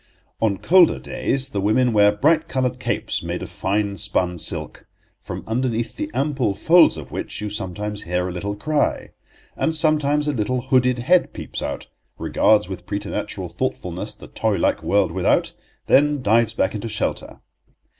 On colder days the women wear bright coloured capes made of fine spun silk, from underneath the ample folds of which you sometimes hear a little cry; and sometimes a little hooded head peeps out, regards with preternatural thoughtfulness the toy like world without, then dives back into shelter.